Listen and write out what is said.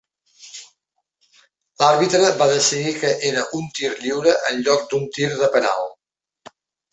L'àrbitre va decidir que era un tir lliure en lloc d'un tir de penal.